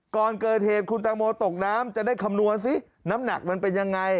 ก่อนเกิดเหตุคุณตังโมตกน้ำจะได้คำนวณสิน้ำหนักมันเป็นยังไง